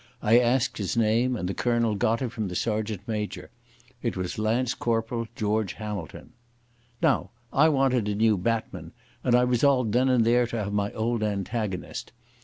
I asked his name and the colonel got it from the sergeant major. It was Lance Corporal George Hamilton. Now I wanted a new batman, and I resolved then and there to have my old antagonist.